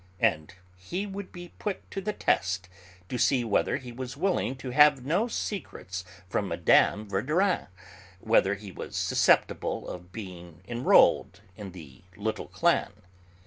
And he would be put to the test, to see whether he was willing to have no secrets from Mme. Verdurin, whether he was susceptible of being enrolled in the 'little clan.'